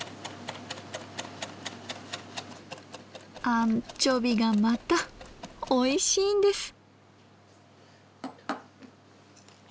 アンチョビがまたおいしいんです！